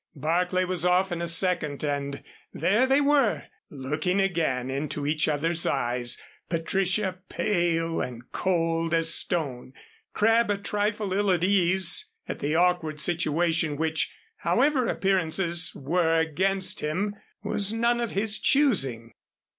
Barclay was off in a second and there they were looking again into each other's eyes, Patricia pale and cold as stone, Crabb a trifle ill at ease at the awkward situation which, however appearances were against him, was none of his choosing.